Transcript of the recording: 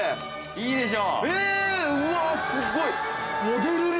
いいでしょ。